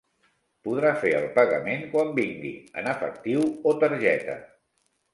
Podrà fer el pagament quan vingui, en efectiu o targeta.